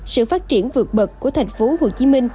sự phát triển vượt bậc của tp hcm